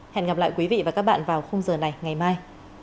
hẹn gặp lại quý vị và các bạn vào khung giờ này ngày mai